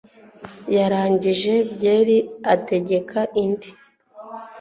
Yarangije byeri ategeka indi.